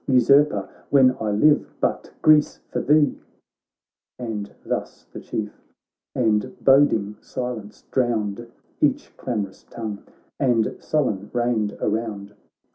Usurper, when I live but, Greece, for thee !' And thus the Chief — and boding silence drowned Each clam' rous tongue, and sullen reigned around.